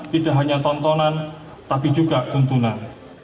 tidak hanya tontonan tapi juga tuntunan